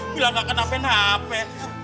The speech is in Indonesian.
bilang gak kena penahpeng